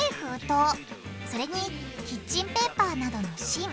それにキッチンペーパーなどの芯。